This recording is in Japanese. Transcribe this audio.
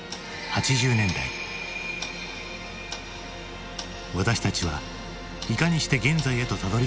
私たちはいかにして現在へとたどりついたのか？